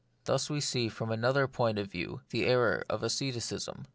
And thus we see, from another point of view, the error of asceticism.